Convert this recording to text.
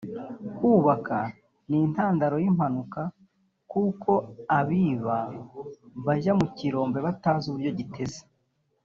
bukaba n’intandaro y’impanuka kuko abiba bajya mu kirombe batazi uburyo giteze